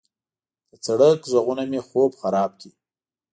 د سړک غږونه مې خوب خراب کړ.